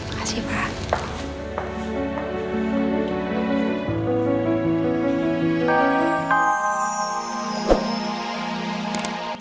terima kasih sayang